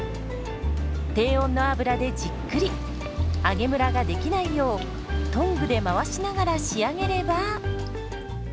低温の油でじっくり揚げむらができないようトングで回しながら仕上げれば。